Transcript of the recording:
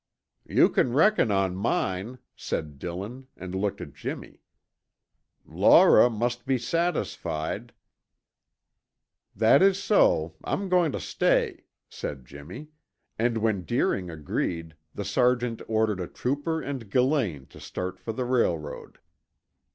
"You can reckon on mine," said Dillon and looked at Jimmy. "Laura must be satisfied " "That is so; I'm going to stay," said Jimmy; and when Deering agreed, the sergeant ordered a trooper and Gillane to start for the railroad.